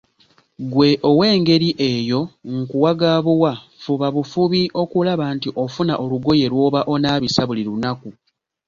Ggwe ow'engeri eyo nkuwa ga buwa, fuba bufubi okulaba nti ofuna olugoye lw'oba onaabisa buli lunaku.